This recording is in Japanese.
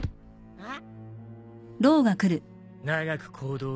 あっ？